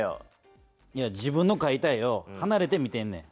自分のかいた絵をはなれて見てんねん。